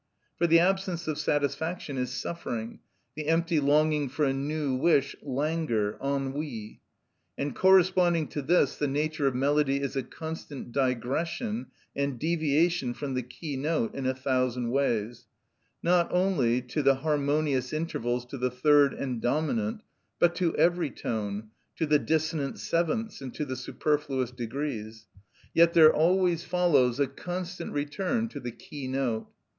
For the absence of satisfaction is suffering, the empty longing for a new wish, languor, ennui. And corresponding to this the nature of melody is a constant digression and deviation from the key note in a thousand ways, not only to the harmonious intervals to the third and dominant, but to every tone, to the dissonant sevenths and to the superfluous degrees; yet there always follows a constant return to the key note.